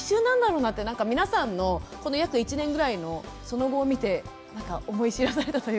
なんか皆さんのこの約１年ぐらいのその後を見てなんか思い知らされたというか。